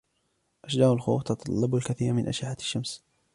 أشجار الخوخ تتطلب الكثير من أشعة الشمس.